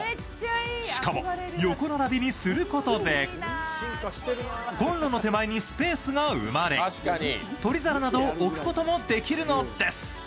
しかも横並びにすることで、コンロの手前にスペースが生まれ取り皿などを置くこともできるのです。